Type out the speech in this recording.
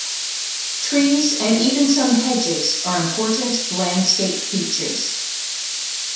Trees and even some hedges are important landscape features.